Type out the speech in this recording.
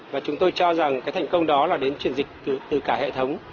và chúng tôi cho rằng cái thành công đó là đến chuyển dịch từ cả hệ thống